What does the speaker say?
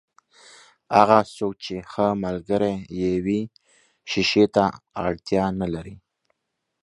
هغه څوک چې ښه ملګری يې وي، شیشې ته اړتیا نلري.